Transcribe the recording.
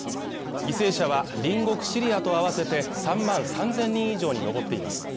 犠牲者は隣国シリアと合わせて３万３０００人以上に上っています